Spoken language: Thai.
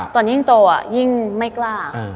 ตอนยิ่งโตยิ่งไม่กล้า